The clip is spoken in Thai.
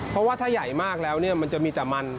เพราะว่าถ้าใหญ่มากแล้วเนี่ยมันจะมีแต่มัน